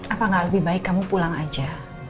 apa gak lebih baik kamu pulang aja